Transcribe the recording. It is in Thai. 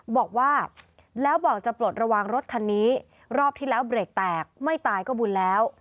บอกว่าแล้วบอกจะปลดระวังรถคันนี้รอบที่แล้วเบรกแตกไม่ตายก็บุญแล้ว